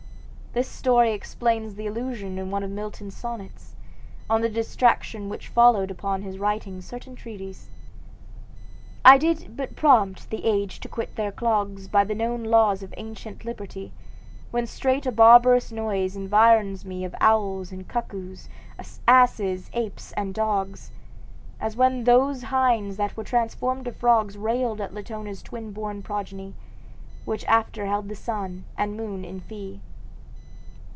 This story explains the allusion in one of Milton's sonnets, "On the detraction which followed upon his writing certain treatises." "I did but prompt the age to quit their clogs By the known laws of ancient liberty, When straight a barbarous noise environs me Of owls and cuckoos, asses, apes and dogs. As when those hinds that were transformed to frogs Railed at Latona's twin born progeny, Which after held the sun and moon in fee."